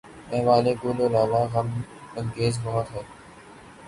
احوال گل و لالہ غم انگیز بہت ہے